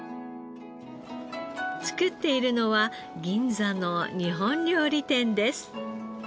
作っているのは銀座の日本料理店です。